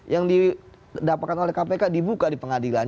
yang didapatkan oleh kpk dibuka di pengadilan